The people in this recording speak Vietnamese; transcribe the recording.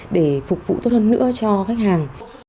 để phục vụ tốt hơn nữa cho khách hàng